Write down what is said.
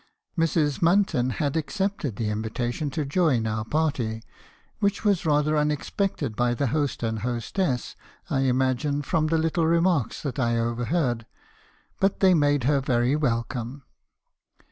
Mrs. Munton had accepted the invitation to join our party, which was rather unexpected by the host and hostess, I imagine, from little remarks that I overheard; but they made her very welcome.